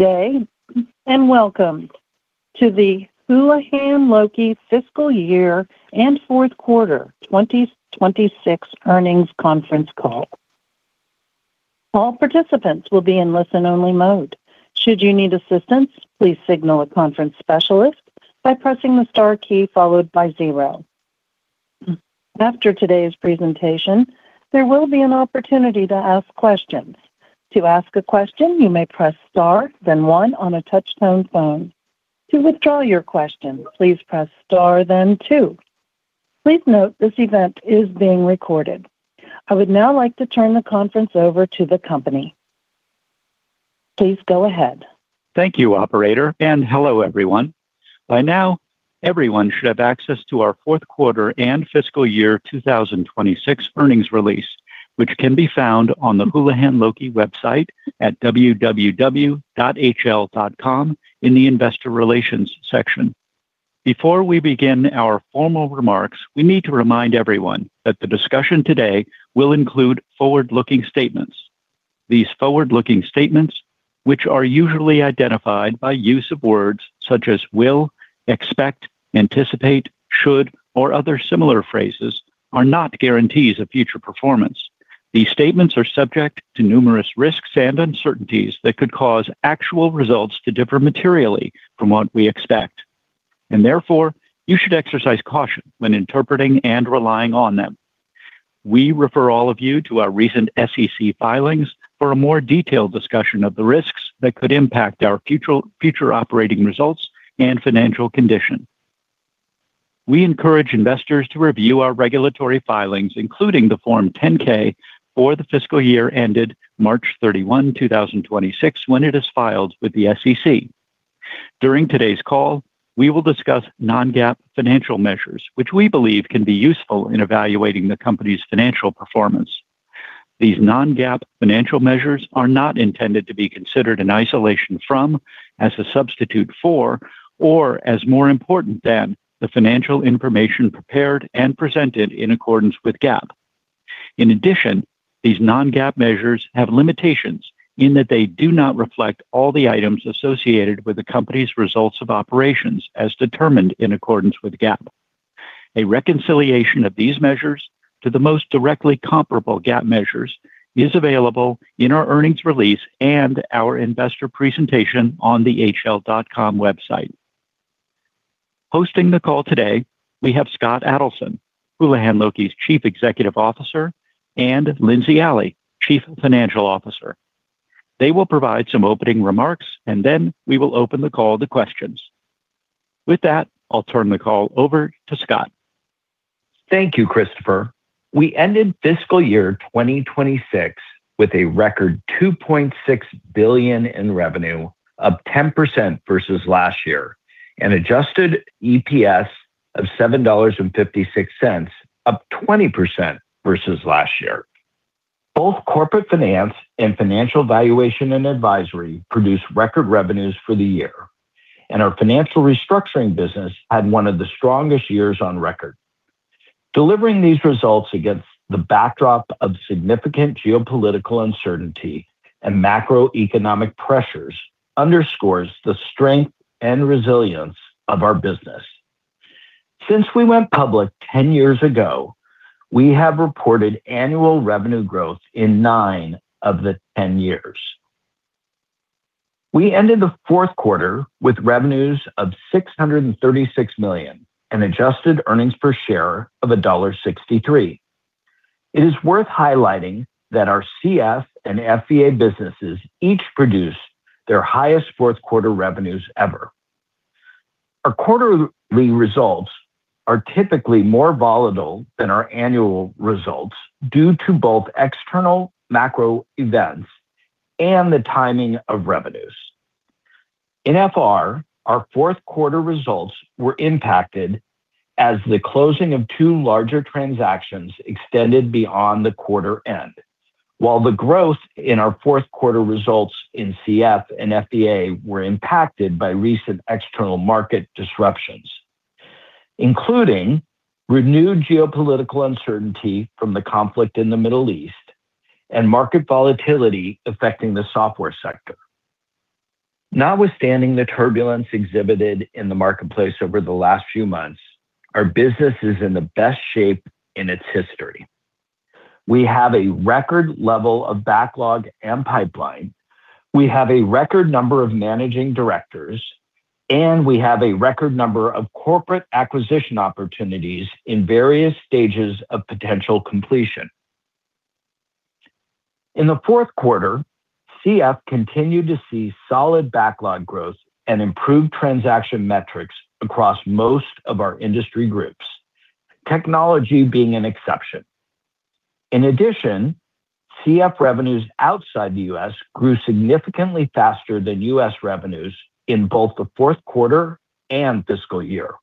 Day, welcome to the Houlihan Lokey Fiscal Year and Fourth Quarter 2026 Earnings Conference Call. All participants will be in listen-only mode. Should you need assistance, please signal a conference specialist by pressing the star key followed by zero. After today's presentation, there will be an opportunity to ask questions. To ask a question, you may press star, then one on a touch-tone phone. To withdraw your question, please press star, then two. Please note this event is being recorded. I would now like to turn the conference over to the company. Please go ahead. Thank you, operator, and hello, everyone. By now, everyone should have access to our fourth quarter and fiscal year 2026 earnings release, which can be found on the Houlihan Lokey website at www.hl.com in the investor relations section. Before we begin our formal remarks, we need to remind everyone that the discussion today will include forward-looking statements. These forward-looking statements, which are usually identified by use of words such as will, expect, anticipate, should, or other similar phrases, are not guarantees of future performance. These statements are subject to numerous risks and uncertainties that could cause actual results to differ materially from what we expect, and therefore, you should exercise caution when interpreting and relying on them. We refer all of you to our recent SEC filings for a more detailed discussion of the risks that could impact our future operating results and financial condition. We encourage investors to review our regulatory filings, including the Form 10-K for the fiscal year ended March 31, 2026, when it is filed with the SEC. During today's call, we will discuss non-GAAP financial measures, which we believe can be useful in evaluating the company's financial performance. These non-GAAP financial measures are not intended to be considered in isolation from, as a substitute for, or as more important than the financial information prepared and presented in accordance with GAAP. In addition, these non-GAAP measures have limitations in that they do not reflect all the items associated with the company's results of operations as determined in accordance with GAAP. A reconciliation of these measures to the most directly comparable GAAP measures is available in our earnings release and our investor presentation on the hl.com website. Hosting the call today, we have Scott Adelson, Houlihan Lokey's Chief Executive Officer, and Lindsey Alley, Chief Financial Officer. They will provide some opening remarks, and then we will open the call to questions. With that, I'll turn the call over to Scott. Thank you, Christopher. We ended fiscal year 2026 with a record $2.6 billion in revenue, up 10% versus last year, and adjusted EPS of $7.56, up 20% versus last year. Both Corporate Finance and Financial and Valuation Advisory produced record revenues for the year, and our Financial Restructuring business had one of the strongest years on record. Delivering these results against the backdrop of significant geopolitical uncertainty and macroeconomic pressures underscores the strength and resilience of our business. Since we went public 10 years ago, we have reported annual revenue growth in nine of the 10 years. We ended the fourth quarter with revenues of $636 million and adjusted earnings per share of $1.63. It is worth highlighting that our CF and FVA businesses each produced their highest fourth quarter revenues ever. Our quarterly results are typically more volatile than our annual results due to both external macro events and the timing of revenues. In FR, our fourth quarter results were impacted as the closing of two larger transactions extended beyond the quarter end. While the growth in our fourth quarter results in CF and FVA were impacted by recent external market disruptions, including renewed geopolitical uncertainty from the conflict in the Middle East and market volatility affecting the software sector. Notwithstanding the turbulence exhibited in the marketplace over the last few months, our business is in the best shape in its history. We have a record level of backlog and pipeline. We have a record number of managing directors, and we have a record number of corporate acquisition opportunities in various stages of potential completion. In the fourth quarter, CF continued to see solid backlog growth and improved transaction metrics across most of our industry groups, technology being an exception. In addition, CF revenues outside the U.S. grew significantly faster than U.S. revenues in both the fourth quarter and fiscal year.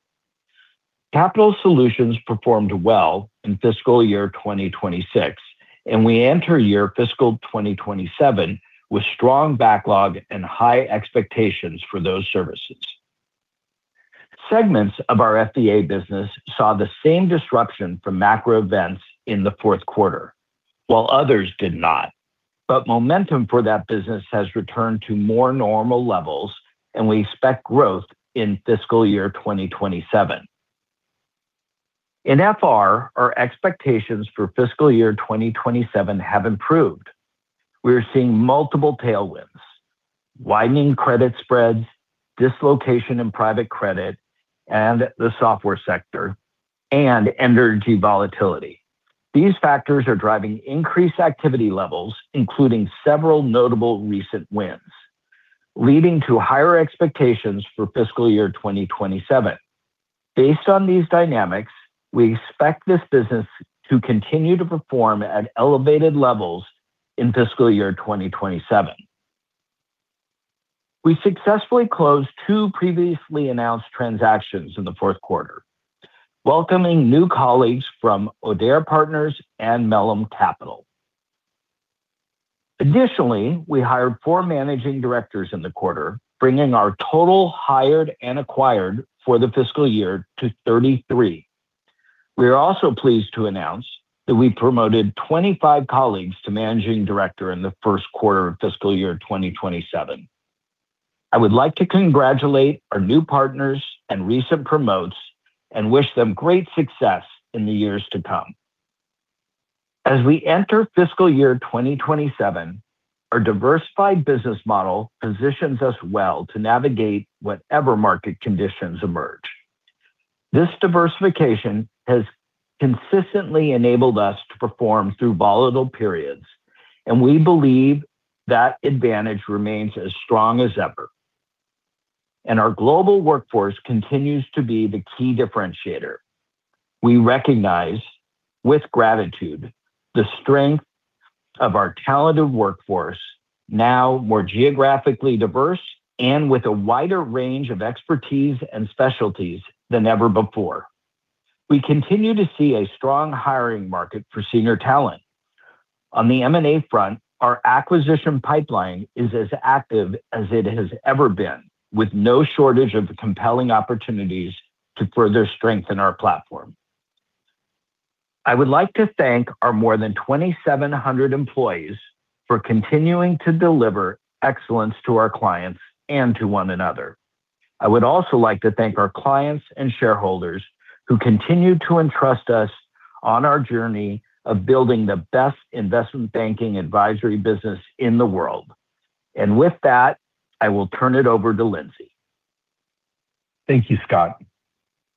Capital Solutions performed well in fiscal year 2026, and we enter year fiscal 2027 with strong backlog and high expectations for those services. Segments of our FVA business saw the same disruption from macro events in the fourth quarter, while others did not. Momentum for that business has returned to more normal levels, and we expect growth in fiscal year 2027. In FR, our expectations for fiscal year 2027 have improved. We are seeing multiple tailwinds, widening credit spreads, dislocation in private credit and the software sector, and energy volatility. These factors are driving increased activity levels, including several notable recent wins, leading to higher expectations for fiscal year 2027. Based on these dynamics, we expect this business to continue to perform at elevated levels in fiscal year 2027. We successfully closed two previously announced transactions in the fourth quarter, welcoming new colleagues from Audere Partners and Mellum Capital. Additionally, we hired four Managing Directors in the quarter, bringing our total hired and acquired for the fiscal year to 33. We are also pleased to announce that we promoted 25 colleagues to Managing Director in the first quarter of fiscal year 2027. I would like to congratulate our new partners and recent promotes and wish them great success in the years to come. As we enter fiscal year 2027, our diversified business model positions us well to navigate whatever market conditions emerge. This diversification has consistently enabled us to perform through volatile periods, and we believe that advantage remains as strong as ever. Our global workforce continues to be the key differentiator. We recognize with gratitude the strength of our talented workforce, now more geographically diverse and with a wider range of expertise and specialties than ever before. We continue to see a strong hiring market for senior talent. On the M&A front, our acquisition pipeline is as active as it has ever been, with no shortage of compelling opportunities to further strengthen our platform. I would like to thank our more than 2,700 employees for continuing to deliver excellence to our clients and to one another. I would also like to thank our clients and shareholders who continue to entrust us on our journey of building the best investment banking advisory business in the world. With that, I will turn it over to Lindsey. Thank you, Scott.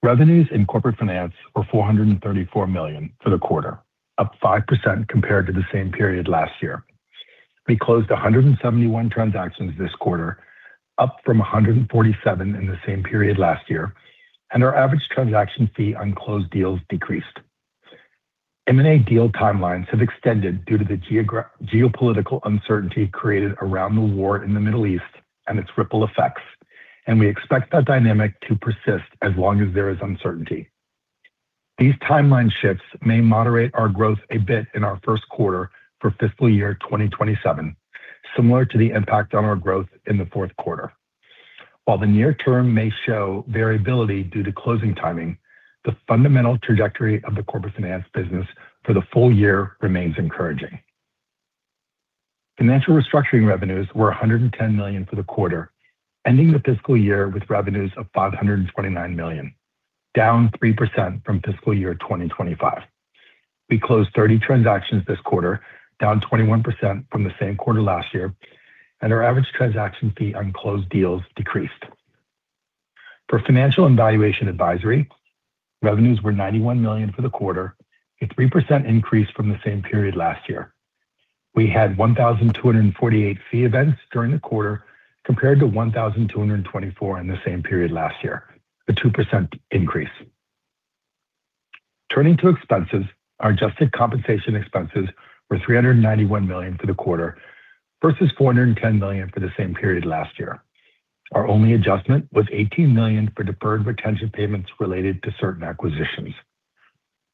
Revenues in Corporate Finance were $434 million for the quarter, up 5% compared to the same period last year. We closed 171 transactions this quarter, up from 147 in the same period last year, and our average transaction fee on closed deals decreased. M&A deal timelines have extended due to the geopolitical uncertainty created around the war in the Middle East and its ripple effects. We expect that dynamic to persist as long as there is uncertainty. These timeline shifts may moderate our growth a bit in our first quarter for fiscal year 2027, similar to the impact on our growth in the fourth quarter. While the near term may show variability due to closing timing, the fundamental trajectory of the Corporate Finance business for the full year remains encouraging. Financial Restructuring revenues were $110 million for the quarter, ending the fiscal year with revenues of $529 million, down 3% from fiscal year 2025. We closed 30 transactions this quarter, down 21% from the same quarter last year, and our average transaction fee on closed deals decreased. For Financial and Valuation Advisory, revenues were $91 million for the quarter, a 3% increase from the same period last year. We had 1,248 fee events during the quarter compared to 1,224 in the same period last year, a 2% increase. Turning to expenses, our adjusted compensation expenses were $391 million for the quarter versus $410 million for the same period last year. Our only adjustment was $18 million for deferred retention payments related to certain acquisitions.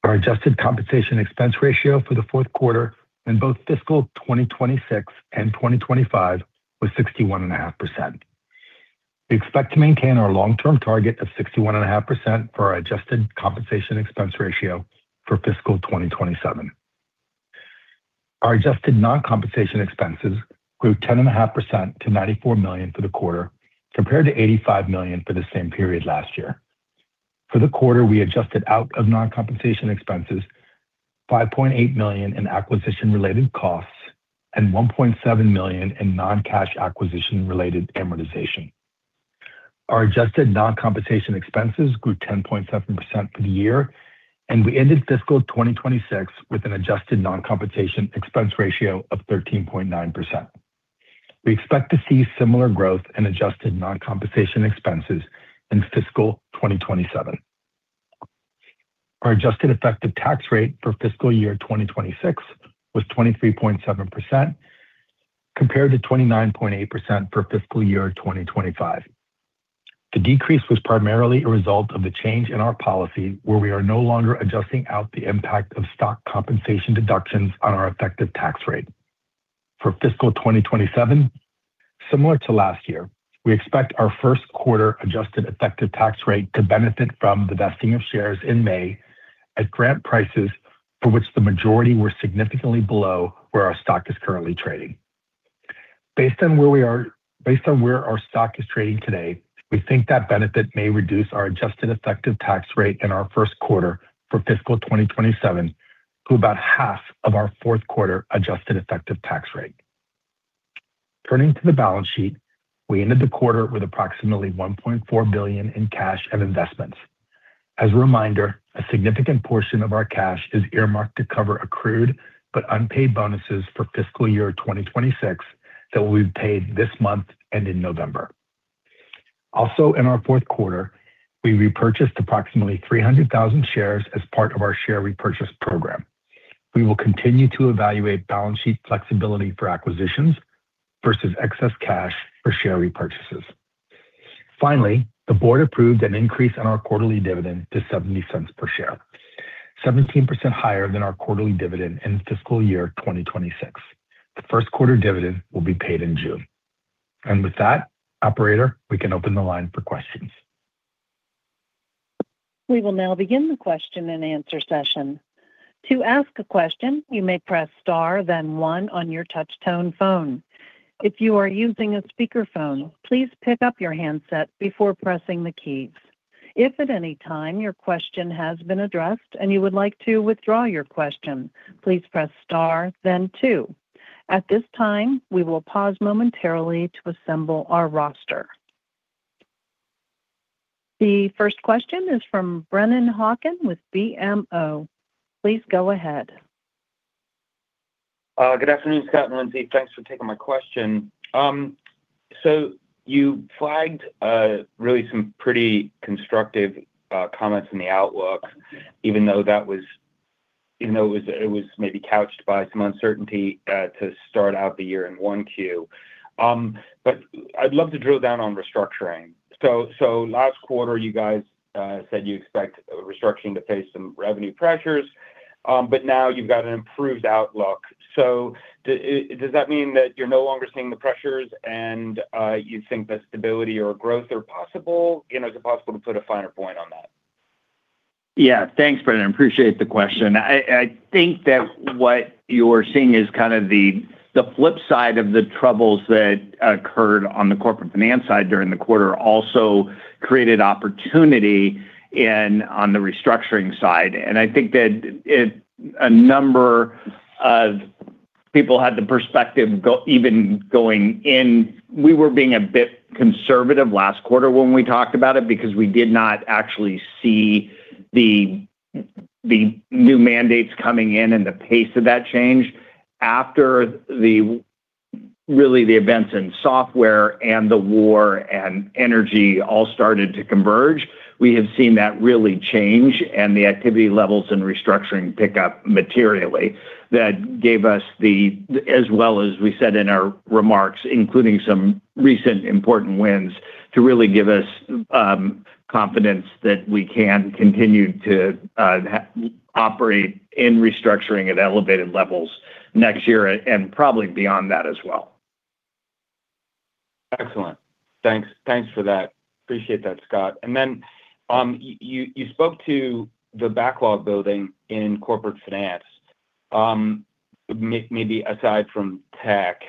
Our adjusted compensation expense ratio for the fourth quarter in both fiscal 2026 and 2025 was 61.5%. We expect to maintain our long-term target of 61.5% for our adjusted compensation expense ratio for fiscal 2027. Our adjusted non-compensation expenses grew 10.5% to $94 million for the quarter compared to $85 million for the same period last year. For the quarter, we adjusted out of non-compensation expenses $5.8 million in acquisition-related costs and $1.7 million in non-cash acquisition-related amortization. Our adjusted non-compensation expenses grew 10.7% for the year, and we ended fiscal 2026 with an adjusted non-compensation expense ratio of 13.9%. We expect to see similar growth in adjusted non-compensation expenses in fiscal 2027. Our adjusted effective tax rate for fiscal year 2026 was 23.7% compared to 29.8% for fiscal year 2025. The decrease was primarily a result of the change in our policy where we are no longer adjusting out the impact of stock compensation deductions on our effective tax rate. For fiscal 2027, similar to last year, we expect our first quarter adjusted effective tax rate to benefit from the vesting of shares in May at grant prices for which the majority were significantly below where our stock is currently trading. Based on where our stock is trading today, we think that benefit may reduce our adjusted effective tax rate in our first quarter for fiscal 2027 to about half of our fourth quarter adjusted effective tax rate. Turning to the balance sheet, we ended the quarter with approximately $1.4 billion in cash and investments. As a reminder, a significant portion of our cash is earmarked to cover accrued but unpaid bonuses for fiscal year 2026 that will be paid this month and in November. Also, in our fourth quarter, we repurchased approximately 300,000 shares as part of our share repurchase program. We will continue to evaluate balance sheet flexibility for acquisitions versus excess cash for share repurchases. The board approved an increase on our quarterly dividend to $0.70 per share, 17% higher than our quarterly dividend in fiscal year 2026. The first quarter dividend will be paid in June. With that, operator, we can open the line for questions. We will now begin the question and answer session. To ask a question you may press star then one on your touch tone phone. If you are using a speaker phone, please pick up your handset before pressing the keys. If at any time your question has been addressed and you would like to withdraw your question, please press star then two. At this time we will pause momentarily to assemble our roster. The first question is from Brennan Hawken with BMO. Please go ahead. Good afternoon, Scott and Lindsey. Thanks for taking my question. You flagged really some pretty constructive comments in the outlook even though it was maybe couched by some uncertainty to start out the year in 1Q. I'd love to drill down on Restructuring. Last quarter you guys said you expect Restructuring to face some revenue pressures, now you've got an improved outlook. Does that mean that you're no longer seeing the pressures and you think that stability or growth are possible? You know, is it possible to put a finer point on that? Yeah. Thanks, Brennan. Appreciate the question. I think that what you're seeing is kind of the flip side of the troubles that occurred on the Corporate Finance side during the quarter also created opportunity on the Restructuring side. I think that a number of people had the perspective even going in. We were being a bit conservative last quarter when we talked about it because we did not actually see the new mandates coming in and the pace of that change. After the, really the events in software and the war and energy all started to converge, we have seen that really change and the activity levels in Restructuring pick up materially. That gave us the, as well as we said in our remarks, including some recent important wins to really give us confidence that we can continue to operate in Restructuring at elevated levels next year and probably beyond that as well. Excellent. Thanks. Thanks for that. Appreciate that, Scott. Then, you spoke to the backlog building in Corporate Finance, maybe aside from tech.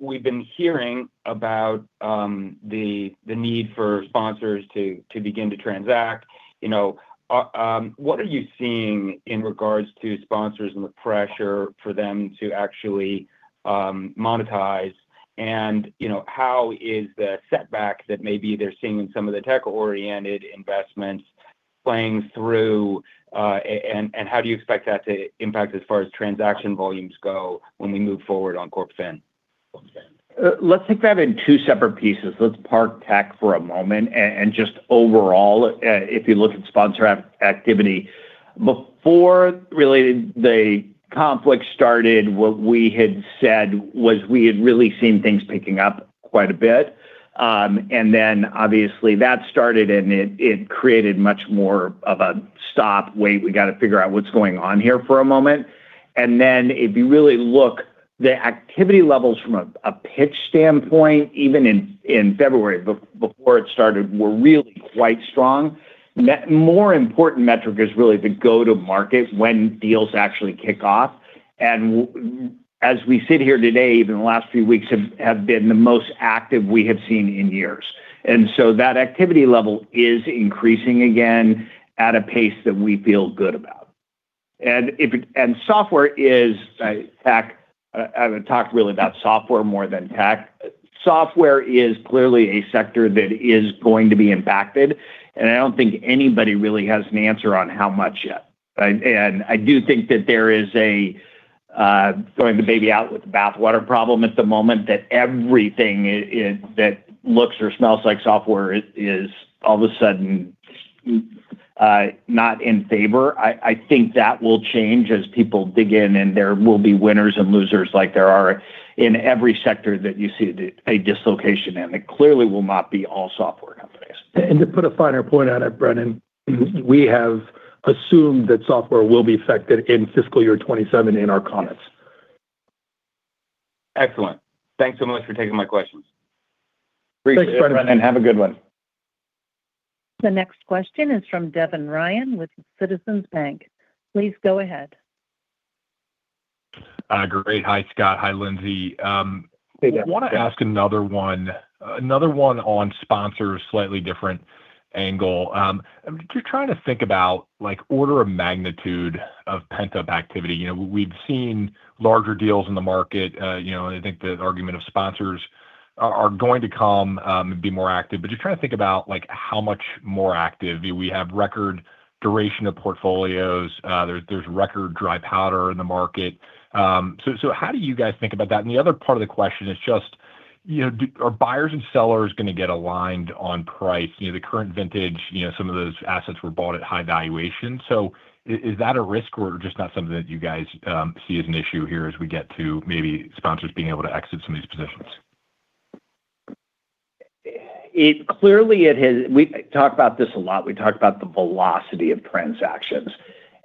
We've been hearing about the need for sponsors to begin to transact. You know, what are you seeing in regards to sponsors and the pressure for them to actually monetize? You know, how is the setback that maybe they're seeing in some of the tech-oriented investments playing through? And how do you expect that to impact as far as transaction volumes go when we move forward on Corp Fin? Let's take that in two separate pieces. Let's park tech for a moment. Just overall, if you look at sponsor activity, before really the conflict started, what we had said was we had really seen things picking up quite a bit. Then obviously that started and it created much more of a stop, wait, we gotta figure what's going on here for a moment. Then if you really look, the activity levels from a pitch standpoint, even in February before it started, were really quite strong. More important metric is really the go-to-market when deals actually kick off. As we sit here today, even the last few weeks have been the most active we have seen in years. That activity level is increasing again at a pace that we feel good about. Software is tech. I haven't talked really about software more than tech. Software is clearly a sector that is going to be impacted, and I don't think anybody really has an answer on how much yet. I do think that there is a throwing the baby out with the bathwater problem at the moment that everything that looks or smells like software is all of a sudden not in favor. I think that will change as people dig in, and there will be winners and losers like there are in every sector that you see a dislocation in. It clearly will not be all software. To put a finer point on it, Brennan, we have assumed that software will be affected in fiscal year 2027 in our comments. Excellent. Thanks so much for taking my questions. Thanks, Brennan. Have a good one. The next question is from Devin Ryan with Citizens JMP. Please go ahead. Great. Hi, Scott. Hi, Lindsey. Hey, Devin. I wanna ask another one on sponsors, slightly different angle. I'm just trying to think about, like, order of magnitude of pent-up activity. You know, we've seen larger deals in the market. You know, I think the argument of sponsors are going to come and be more active. Just trying to think about, like, how much more active. Do we have record duration of portfolios? There's record dry powder in the market. How do you guys think about that? The other part of the question is just, you know, Are buyers and sellers gonna get aligned on price? You know, the current vintage, you know, some of those assets were bought at high valuation. Is that a risk or just not something that you guys see as an issue here as we get to maybe sponsors being able to exit some of these positions? We talk about this a lot. We talk about the velocity of transactions,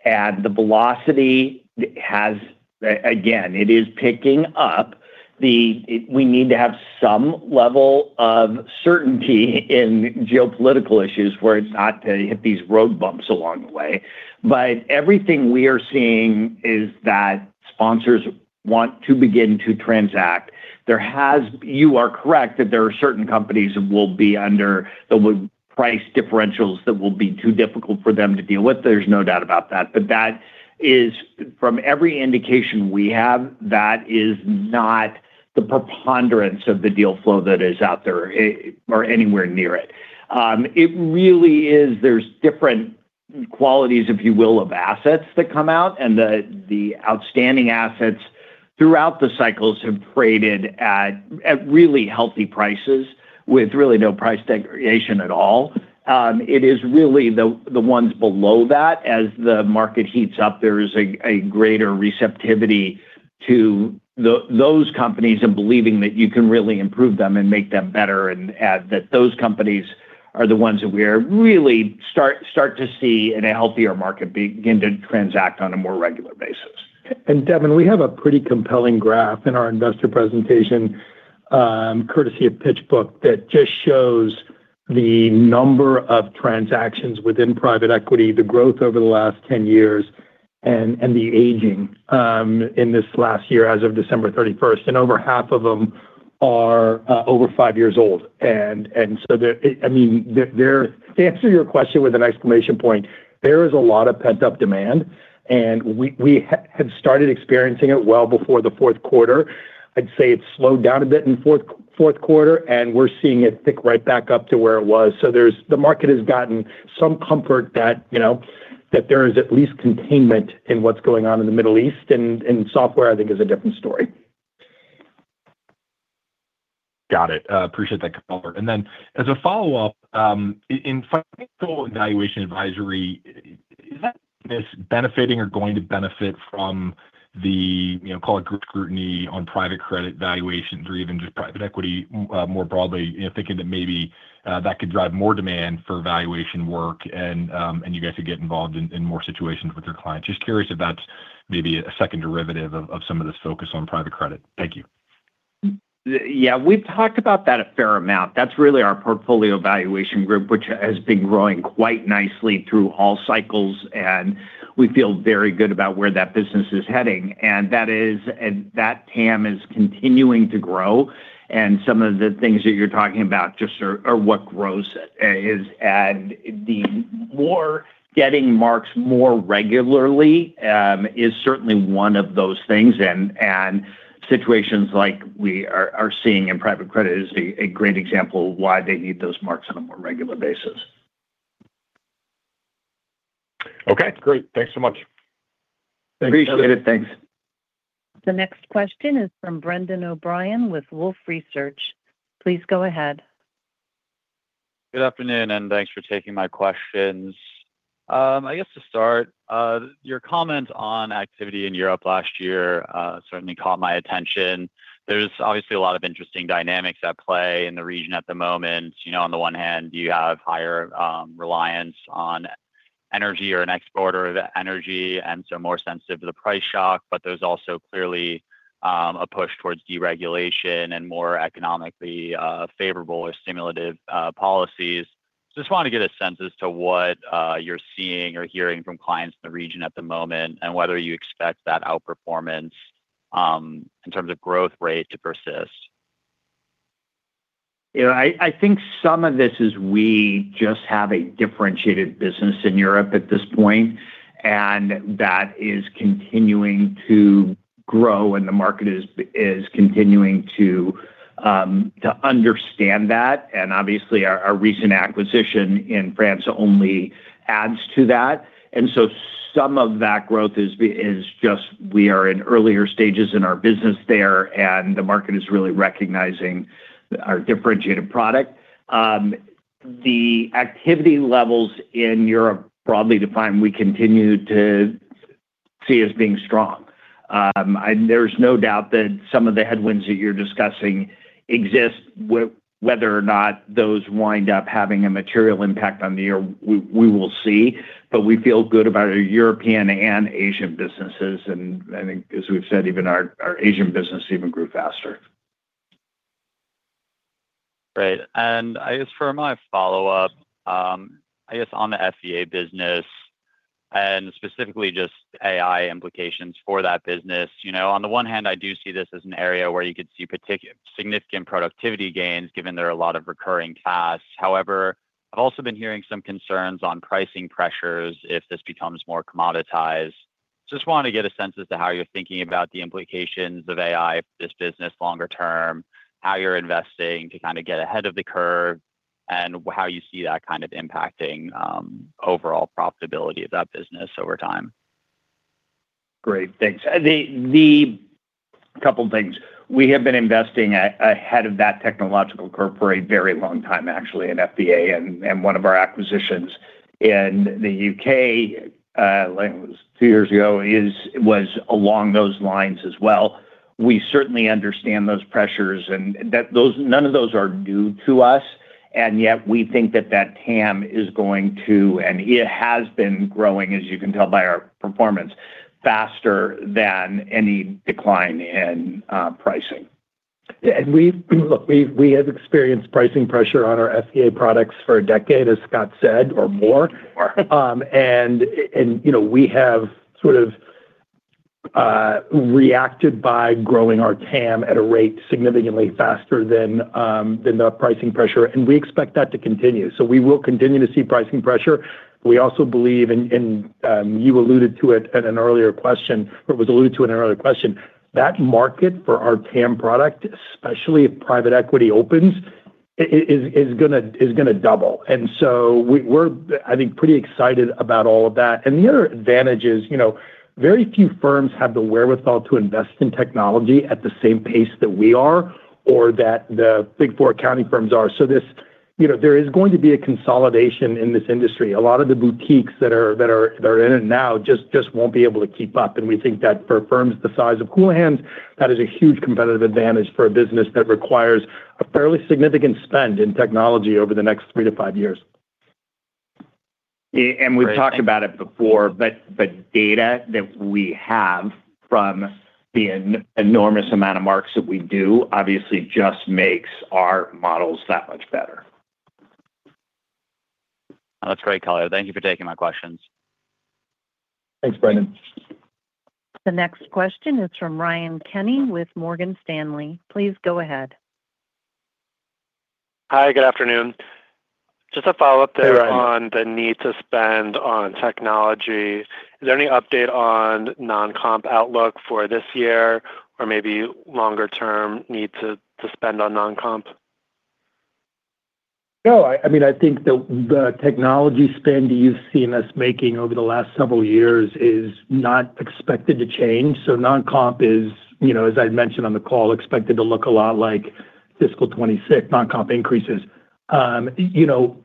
and the velocity has, again, it is picking up. We need to have some level of certainty in geopolitical issues where it's not gonna hit these road bumps along the way. Everything we are seeing is that sponsors want to begin to transact. You are correct that there are certain companies that will be under the price differentials that will be too difficult for them to deal with. There's no doubt about that. That is, from every indication we have, that is not the preponderance of the deal flow that is out there or anywhere near it. It really is there's different qualities, if you will, of assets that come out, and the outstanding assets throughout the cycles have traded at really healthy prices with really no price degradation at all. It is really the ones below that. As the market heats up, there is a greater receptivity to those companies in believing that you can really improve them and make them better and add. That those companies are the ones that we are really start to see in a healthier market begin to transact on a more regular basis. Devin, we have a pretty compelling graph in our investor presentation, courtesy of PitchBook, that just shows the number of transactions within private equity, the growth over the last 10 years, and the aging in this last year as of December 31st. Over half of them are over five years old. I mean, to answer your question with an exclamation point, there is a lot of pent-up demand, and we had started experiencing it well before the fourth quarter. I'd say it slowed down a bit in fourth quarter, and we're seeing it tick right back up to where it was. The market has gotten some comfort that, you know, that there is at least containment in what's going on in the Middle East, and software, I think, is a different story. Got it. Appreciate that color. As a follow-up, in Financial and Valuation Advisory, is that benefiting or going to benefit from the, you know, call it scrutiny on private credit valuations or even just private equity more broadly? You know, thinking that maybe that could drive more demand for valuation work and you guys could get involved in more situations with your clients. Just curious if that's maybe a second derivative of some of this focus on private credit. Thank you. Yeah, we've talked about that a fair amount. That's really our portfolio valuation group, which has been growing quite nicely through all cycles, and we feel very good about where that business is heading. That is, and that TAM is continuing to grow, and some of the things that you're talking about just are what grows it. Getting marks more regularly is certainly one of those things and situations like we are seeing in private credit is a great example of why they need those marks on a more regular basis. Okay, great. Thanks so much. Appreciate it. Thanks. The next question is from Brendan O'Brien with Wolfe Research. Please go ahead. Good afternoon, thanks for taking my questions. I guess to start, your comment on activity in Europe last year, certainly caught my attention. There's obviously a lot of interesting dynamics at play in the region at the moment. You know, on the one hand, you have higher reliance on energy or an exporter of energy, more sensitive to the price shock. There's also clearly a push towards deregulation and more economically favorable or stimulative policies. Just want to get a sense as to what you're seeing or hearing from clients in the region at the moment and whether you expect that outperformance in terms of growth rate, to persist. You know, I think some of this is we just have a differentiated business in Europe at this point, that is continuing to grow, and the market is continuing to understand that. Obviously, our recent acquisition in France only adds to that. So some of that growth is just we are in earlier stages in our business there, and the market is really recognizing our differentiated product. The activity levels in Europe, broadly defined, we continue to see as being strong. There's no doubt that some of the headwinds that you're discussing exist. Whether or not those wind up having a material impact on the year, we will see. We feel good about our European and Asian businesses. As we've said, even our Asian business even grew faster. Right. I guess for my follow-up, I guess on the FVA business and specifically just AI implications for that business. You know, on the one hand, I do see this as an area where you could see significant productivity gains given there are a lot of recurring costs. However, I've also been hearing some concerns on pricing pressures if this becomes more commoditized. Just wanted to get a sense as to how you're thinking about the implications of AI for this business longer term, how you're investing to kinda get ahead of the curve, and how you see that kind of impacting overall profitability of that business over time. Great, thanks. The couple things. We have been investing ahead of that technological curve for a very long time actually in FVA, and one of our acquisitions in the U.K., I think it was two years ago, was along those lines as well. We certainly understand those pressures and that none of those are new to us. Yet we think that TAM is going to, and it has been growing, as you can tell by our performance, faster than any decline in pricing. We have experienced pricing pressure on our FVA products for a decade, as Scott said, or more. You know, we have sort of reacted by growing our TAM at a rate significantly faster than the pricing pressure, and we expect that to continue. We will continue to see pricing pressure. We also believe, you alluded to it at an earlier question, or it was alluded to in an earlier question, that market for our TAM product, especially if private equity opens, is gonna double. We're, I think, pretty excited about all of that. The other advantage is, you know, very few firms have the wherewithal to invest in technology at the same pace that we are or that the Big Four accounting firms are. You know, there is going to be a consolidation in this industry. A lot of the boutiques that are in it now just won't be able to keep up, and we think that for firms the size of Houlihan, that is a huge competitive advantage for a business that requires a fairly significant spend in technology over the next three to five years. Yeah, we've talked about it before, but the data that we have from the enormous amount of marks that we do obviously just makes our models that much better. That's great, guys. Thank you for taking my questions. Thanks, Brendan. The next question is from Ryan Kenny with Morgan Stanley. Please go ahead. Hi, good afternoon. Hey, Ryan. Just a follow-up there on the need to spend on technology. Is there any update on non-comp outlook for this year or maybe longer-term need to spend on non-comp? No. I mean, I think the technology spend you've seen us making over the last several years is not expected to change. Non-comp is, you know, as I'd mentioned on the call, expected to look a lot like fiscal 2026 non-comp increases. You know,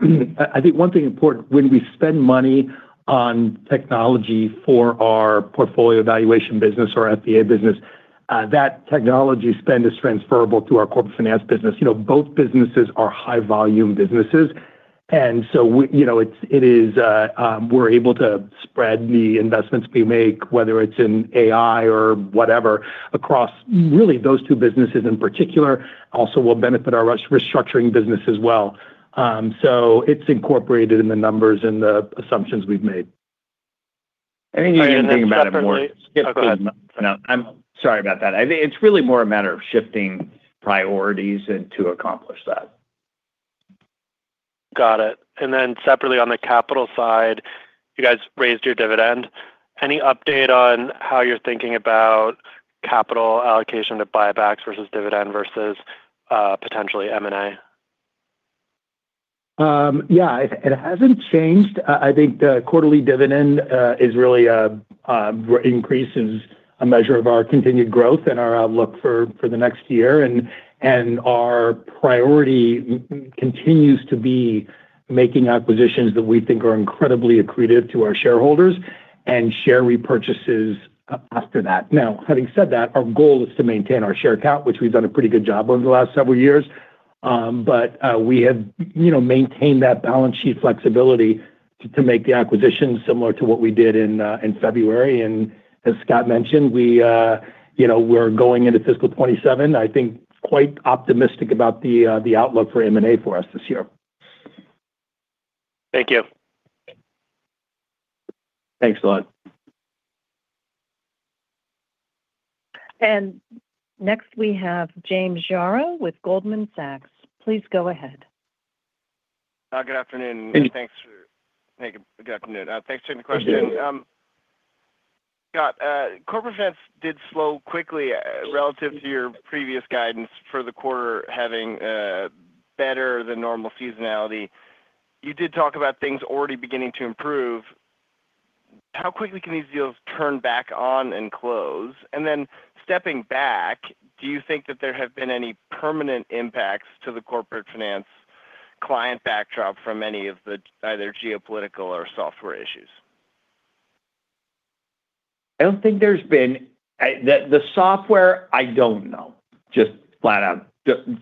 I think one thing important, when we spend money on technology for our portfolio valuation business or FVA business, that technology spend is transferable to our Corporate Finance business. You know, both businesses are high-volume businesses, we're able to spread the investments we make, whether it's in AI or whatever, across really those two businesses in particular. Also will benefit our Financial Restructuring business as well. It's incorporated in the numbers and the assumptions we've made. And then separately- I think the other thing about it. Oh, go ahead. No, I'm sorry about that. I think it's really more a matter of shifting priorities and to accomplish that. Got it. Separately on the capital side, you guys raised your dividend. Any update on how you're thinking about capital allocation to buybacks versus dividend versus potentially M&A? It, it hasn't changed. I think the quarterly dividend is really, increase is a measure of our continued growth and our outlook for the next year. Our priority continues to be making acquisitions that we think are incredibly accretive to our shareholders and share repurchases after that. Now, having said that, our goal is to maintain our share count, which we've done a pretty good job over the last several years. But we have, you know, maintained that balance sheet flexibility to make the acquisitions similar to what we did in February. As Scott mentioned, we, you know, we're going into fiscal 2027, I think, quite optimistic about the outlook for M&A for us this year. Thank you. Thanks a lot. Next we have James Yaro with Goldman Sachs. Please go ahead. Good afternoon. Good afternoon. Thanks. Interesting question. Scott, Corporate Finance did slow quickly relative to your previous guidance for the quarter having better than normal seasonality. You did talk about things already beginning to improve. How quickly can these deals turn back on and close? Then stepping back, do you think that there have been any permanent impacts to the Corporate Finance client backdrop from any of the either geopolitical or software issues? I don't think there's been the software, I don't know, just flat out.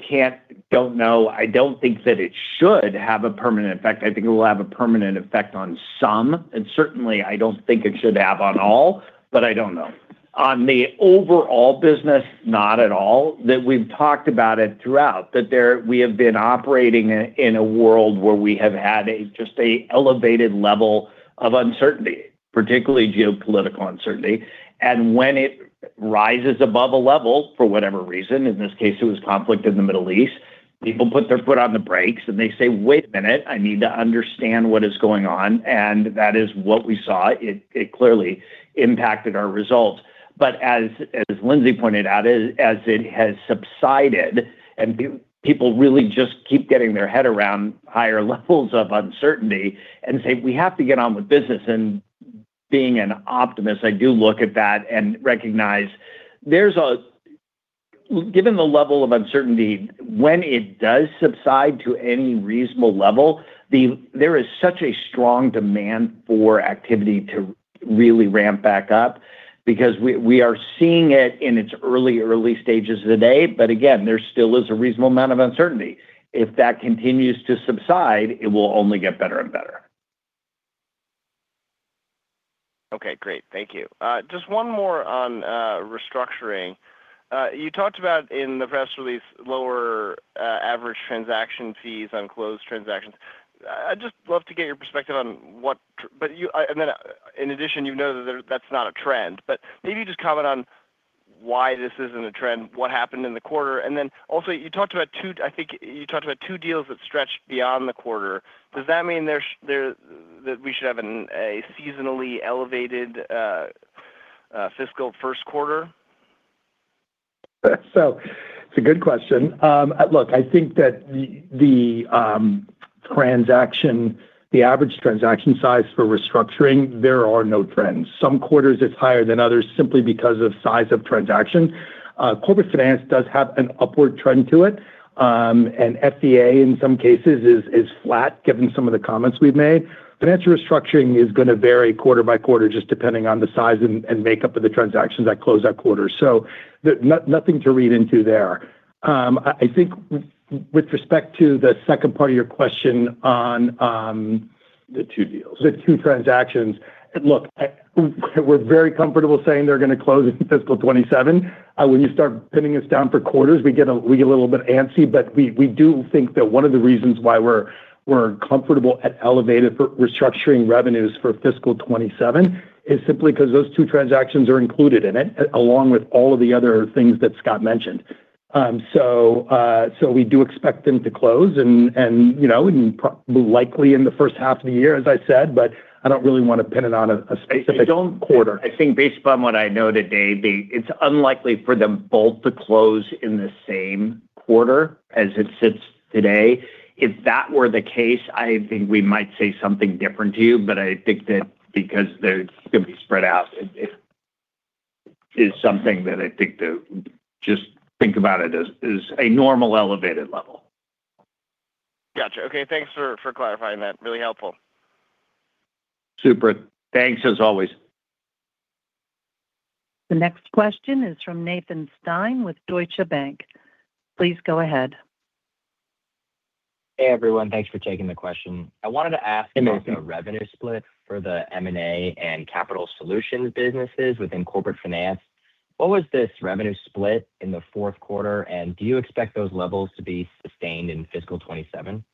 Can't, don't know. I don't think that it should have a permanent effect. I think it will have a permanent effect on some, and certainly I don't think it should have on all, but I don't know. On the overall business, not at all. We've talked about it throughout, we have been operating in a world where we have had a, just a elevated level of uncertainty, particularly geopolitical uncertainty. When it rises above a level, for whatever reason, in this case it was conflict in the Middle East, people put their foot on the brakes and they say, "Wait a minute. I need to understand what is going on." That is what we saw. It clearly impacted our results. As Lindsey pointed out, as it has subsided and people really just keep getting their head around higher levels of uncertainty and say, "We have to get on with business." Being an optimist, I do look at that and recognize there's a given the level of uncertainty, when it does subside to any reasonable level, there is such a strong demand for activity to really ramp back up because we are seeing it in its early stages today, but again, there still is a reasonable amount of uncertainty. If that continues to subside, it will only get better and better. Okay, great. Thank you. Just one more on Restructuring. You talked about in the press release lower average transaction fees on closed transactions. I'd just love to get your perspective on what. In addition, you know that there, that's not a trend, but maybe just comment on why this isn't a trend, what happened in the quarter. Also you talked about two, I think you talked about two deals that stretched beyond the quarter. Does that mean that we should have a seasonally elevated fiscal first quarter? It's a good question. Look, I think that the transaction, the average transaction size for restructuring, there are no trends. Some quarters it's higher than others simply because of size of transaction. Corporate Finance does have an upward trend to it. And FVA in some cases is flat given some of the comments we've made. Financial Restructuring is gonna vary quarter by quarter just depending on the size and makeup of the transactions that close that quarter. Nothing to read into there. I think with respect to the second part of your question on. The two deals. The two transactions, we're very comfortable saying they're gonna close in fiscal 2027. When you start pinning us down for quarters, we get a little bit antsy. We do think that one of the reasons why we're comfortable at elevated for restructuring revenues for fiscal 2027 is simply because those two transactions are included in it, along with all of the other things that Scott mentioned. We do expect them to close and you know, likely in the first half of the year, as I said, but I don't really want to pin it on a specific quarter. They don't I think based upon what I know today, it's unlikely for them both to close in the same quarter as it sits today. If that were the case, I think we might say something different to you. I think that because they're gonna be spread out, it is something that I think to just think about it as a normal elevated level. Gotcha. Okay. Thanks for clarifying that. Really helpful. Super. Thanks as always. The next question is from Nathan Stein with Deutsche Bank. Please go ahead. Hey, everyone. Thanks for taking the question. Hey, Nathan. I wanted to ask about the revenue split for the M&A and Capital Solutions businesses within Corporate Finance. What was this revenue split in the fourth quarter, and do you expect those levels to be sustained in fiscal 2027?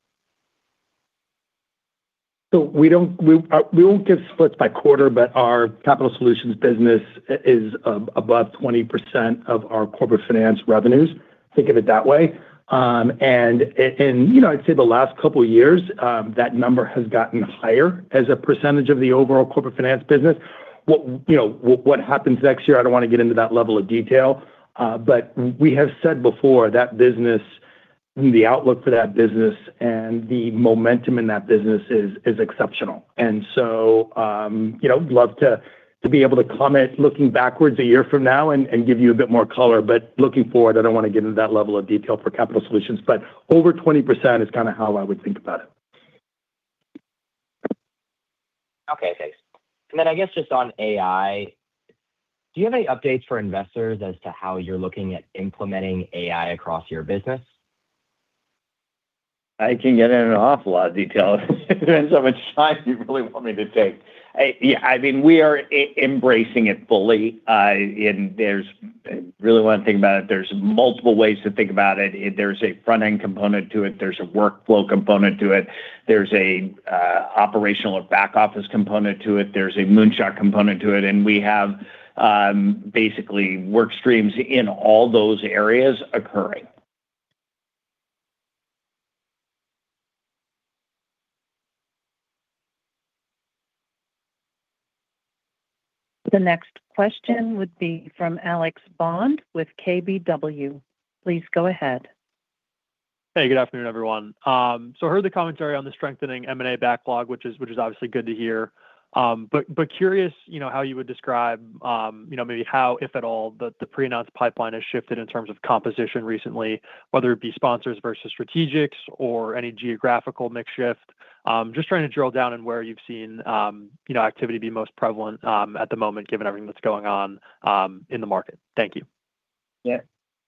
We don't, we won't give splits by quarter, but our Capital Solutions business is above 20% of our Corporate Finance revenues, think of it that way. And in, you know, I'd say the last couple years, that number has gotten higher as a percentage of the overall Corporate Finance business. What, you know, what happens next year, I don't want to get into that level of detail, but we have said before that business, the outlook for that business and the momentum in that business is exceptional. You know, love to be able to comment looking backwards a year from now and give you a bit more color, but looking forward, I don't want to get into that level of detail for Capital Solutions, but over 20% is kinda how I would think about it. Okay, thanks. Then I guess just on AI, do you have any updates for investors as to how you're looking at implementing AI across your business? I can get in an awful lot of detail depending on how much time you really want me to take. I, yeah, I mean, we are embracing it fully. I, there's really one thing about it, there's multiple ways to think about it. There's a front-end component to it. There's a workflow component to it. There's a operational or back office component to it. There's a moon shot component to it. We have basically work streams in all those areas occurring. The next question would be from Alex Bond with KBW. Please go ahead. Good afternoon, everyone. I heard the commentary on the strengthening M&A backlog, which is obviously good to hear. Curious, you know, how you would describe, you know, maybe how, if at all, the pre-announced pipeline has shifted in terms of composition recently, whether it be sponsors versus strategics or any geographical mix shift. I'm just trying to drill down on where you've seen, you know, activity be most prevalent at the moment given everything that's going on in the market. Thank you. Yeah.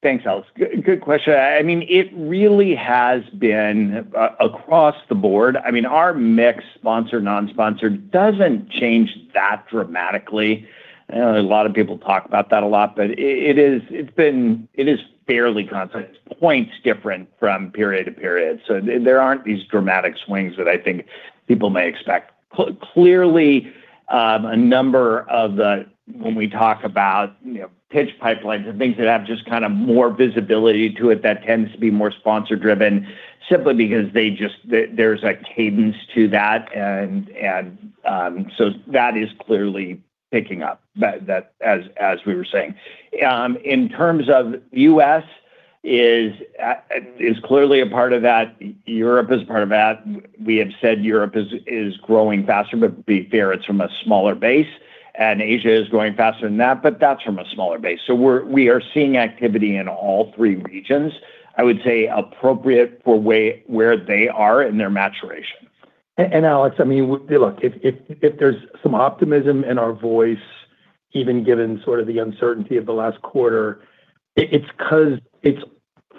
Thanks, Alex. Good question. I mean, it really has been across the board. I mean, our mix sponsor, non-sponsor doesn't change that dramatically. I know a lot of people talk about that a lot, but it is fairly constant. It's points different from period to period, there aren't these dramatic swings that I think people may expect. Clearly, a number of the when we talk about, you know, pitch pipelines and things that have just kind of more visibility to it that tends to be more sponsor driven simply because they just there's a cadence to that. That is clearly picking up. That as we were saying. In terms of U.S. is clearly a part of that. Europe is a part of that. We have said Europe is growing faster, to be fair, it's from a smaller base. Asia is growing faster than that, but that's from a smaller base. We are seeing activity in all three regions, I would say appropriate for way, where they are in their maturation. Alex, I mean, look, if there's some optimism in our voice, even given sort of the uncertainty of the last quarter, it's 'cause it's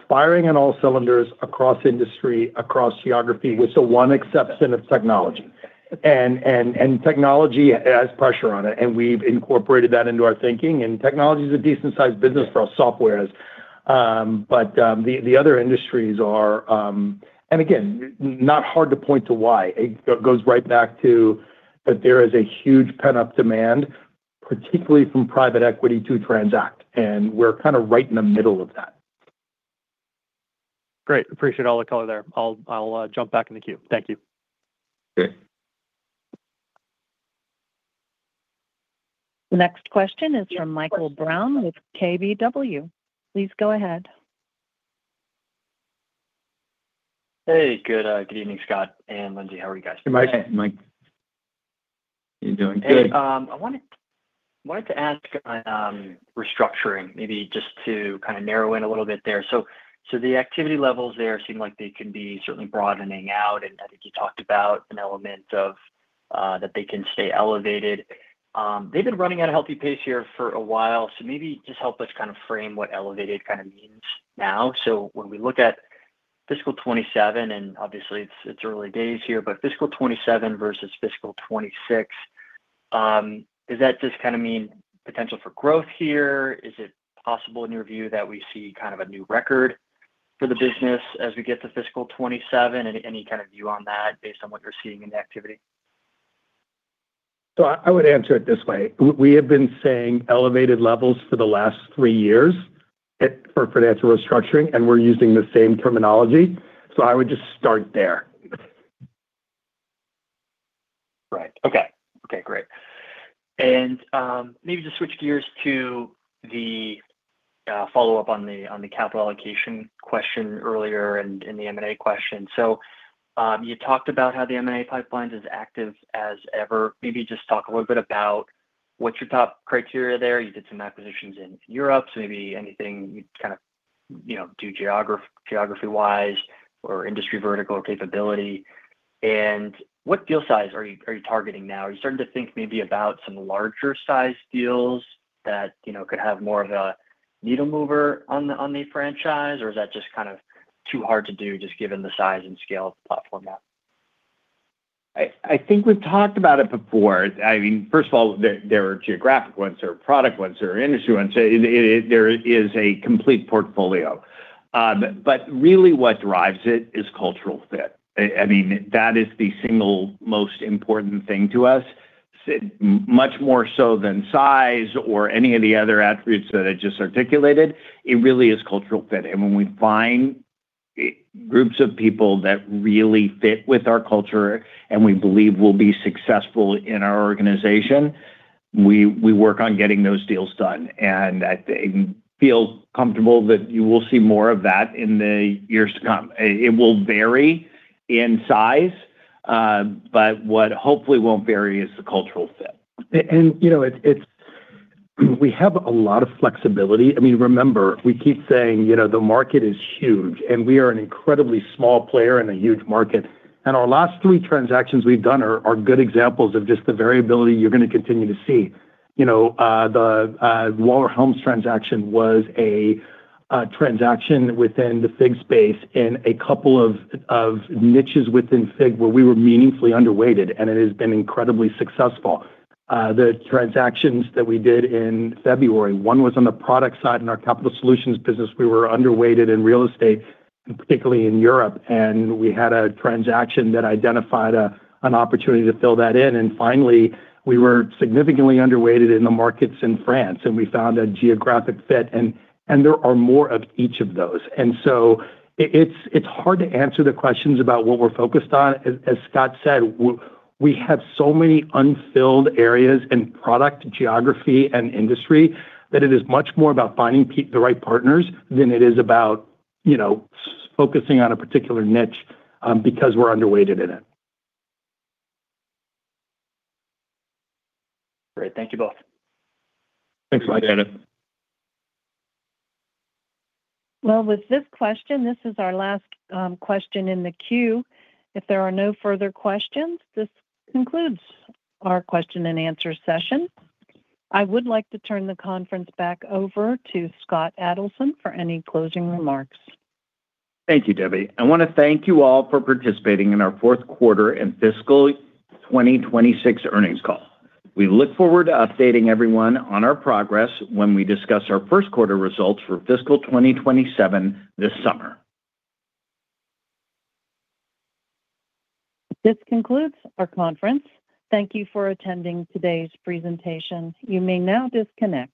firing on all cylinders across industry, across geography with the one exception of technology. Technology has pressure on it, and we've incorporated that into our thinking, and technology's a decent sized business for our softwares. But the other industries are, and again, not hard to point to why. It goes right back to that there is a huge pent-up demand, particularly from private equity to transact, and we're kind of right in the middle of that. Great. Appreciate all the color there. I'll jump back in the queue. Thank you. Great. Next question is from Michael Brown with KBW. Please go ahead. Hey, good evening, Scott and Lindsey. How are you guys doing? Hey, Mike. Hey, Mike. You doing? Hey, I wanted to ask on Restructuring, maybe just to kind of narrow in a little bit there. The activity levels there seem like they can be certainly broadening out, and I think you talked about an element of that they can stay elevated. They've been running at a healthy pace here for a while, so maybe just help us kind of frame what elevated kind of means now. When we look at fiscal 2027, and obviously it's early days here, but fiscal 2027 versus fiscal 2026, does that just kinda mean potential for growth here? Is it possible in your view that we see kind of a new record for the business as we get to fiscal 2027? Any kind of view on that based on what you're seeing in the activity? I would answer it this way. We have been saying elevated levels for the last three years for Financial Restructuring. We're using the same terminology. I would just start there. Right. Okay. Okay, great. Maybe just switch gears to the follow-up on the capital allocation question earlier and the M&A question. You talked about how the M&A pipeline's as active as ever. Maybe just talk a little bit about what's your top criteria there. You did some acquisitions in Europe, maybe anything you kind of, you know, do geography wise or industry vertical capability. What deal size are you targeting now? Are you starting to think maybe about some larger size deals that, you know, could have more of a needle mover on the franchise? Is that just kind of too hard to do just given the size and scale of the platform now? I think we've talked about it before. I mean, first of all, there are geographic ones, there are product ones, there are industry ones. There is a complete portfolio. Really what drives it is cultural fit. I mean, that is the single most important thing to us. much more so than size or any of the other attributes that I just articulated. It really is cultural fit. When we find groups of people that really fit with our culture and we believe will be successful in our organization, we work on getting those deals done. I feel comfortable that you will see more of that in the years to come. It will vary in size, but what hopefully won't vary is the cultural fit. You know, it's we have a lot of flexibility. I mean, remember, we keep saying, you know, the market is huge, we are an incredibly small player in a huge market. Our last three transactions we've done are good examples of just the variability you're gonna continue to see. You know, the Waller Helms transaction was a transaction within the FIG space in a couple of niches within FIG where we were meaningfully underweighted, it has been incredibly successful. The transactions that we did in February, one was on the product side in our Capital Solutions business. We were underweighted in real estate, particularly in Europe, we had a transaction that identified an opportunity to fill that in. Finally, we were significantly underweighted in the markets in France, we found a geographic fit. There are more of each of those. It's hard to answer the questions about what we're focused on. As Scott said, we have so many unfilled areas in product, geography, and industry that it is much more about finding the right partners than it is about, you know, focusing on a particular niche because we're underweighted in it. Great. Thank you both. Thanks, Mike. Thanks Well, with this question, this is our last question in the queue. If there are no further questions, this concludes our question and answer session. I would like to turn the conference back over to Scott Adelson for any closing remarks. Thank you, Debbie. I wanna thank you all for participating in our fourth quarter and fiscal 2026 earnings call. We look forward to updating everyone on our progress when we discuss our first quarter results for fiscal 2027 this summer. This concludes our conference. Thank you for attending today's presentation. You may now disconnect.